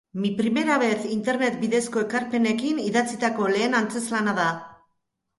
Mi primera vez internet bidezko ekarpenekin idatzitako lehen antzezlana da.